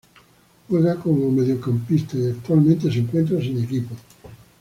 Juega como mediocampista y actualmente se encuentra sin equipo.